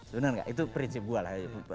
sebenernya itu prinsip gue lah